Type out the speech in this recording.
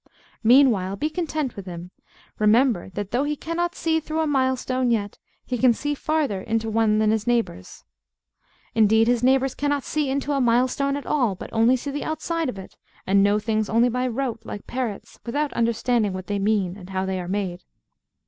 Meanwhile, be content with him: remember that though he cannot see through a milestone yet, he can see farther into one than his neighbours. Indeed his neighbours cannot see into a milestone at all, but only see the outside of it, and know things only by rote, like parrots, without understanding what they mean and how they are made.